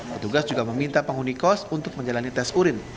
petugas juga meminta penghuni kos untuk menjalani tes urin